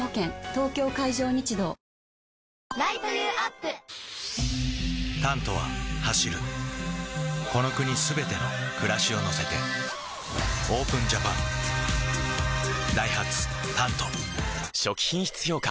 東京海上日動「タント」は走るこの国すべての暮らしを乗せてＯＰＥＮＪＡＰＡＮダイハツ「タント」初期品質評価